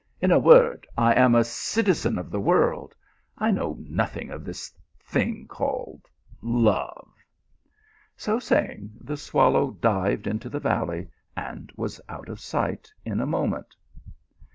In a word, I am a citizen of the world. I know nothing of this thing called love." So saying, the swallow dived into the valley and was out of sight in a moment.